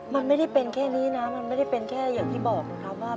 มันไม่ได้เป็นแค่นี้นะมันไม่ได้เป็นแค่อย่างที่บอกนะครับว่า